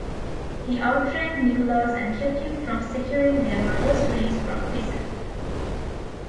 He outranked Nicholas and kept him from securing their mother's release from prison.